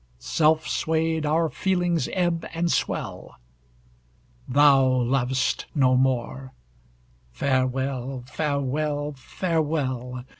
Self swayed our feelings ebb and swell Thou lov'st no more; Farewell! Farewell! Farewell!